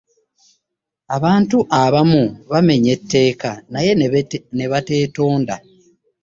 Abantu abamu bamenya etteeka naye ne batetonda.